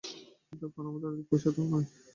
এক্ষণে আমাদের অধিক পয়সা তো নাই।